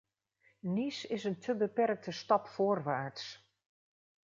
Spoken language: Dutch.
Nice is een te beperkte stap voorwaarts.